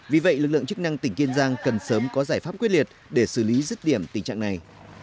vì vậy lực lượng chức năng tỉnh kiên giang cần sớm có giải pháp quyết liệt để xử lý rứt điểm tình trạng này